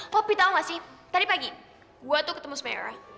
tapi tau gak sih tadi pagi gua tuh ketemu sama era